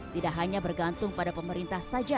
tidak hanya bergantung pada pemerintah saja